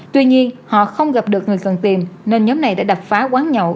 tuy nhiên họ không gặp được người cần tìm nên nhóm này đã đập phá quán nhậu